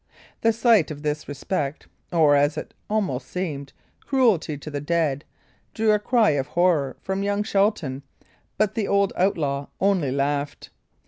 The sight of this disrespect, or, as it almost seemed, cruelty to the dead, drew a cry of horror from young Shelton; but the old outlaw only laughed.